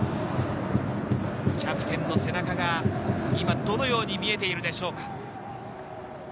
キャプテンの背中が今、どのように見えているでしょうか。